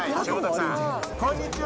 こんにちは。